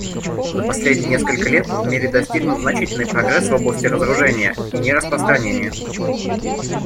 За последние несколько лет в мире достигнут значительный прогресс в области разоружения и нераспространения.